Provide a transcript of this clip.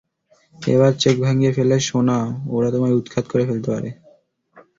একবার চেক ভাঙিয়ে ফেললে, সোনা, ওরা তোমায় উৎখাত করে ফেলতে পারে!